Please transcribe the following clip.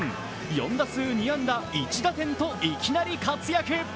４打数２安打１打点といきなり活躍。